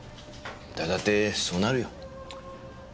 誰だってそうなるよ。